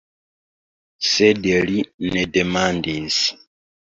Sed li ne demandis.